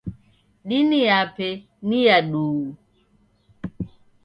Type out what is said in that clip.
Dini yape ni ya duu.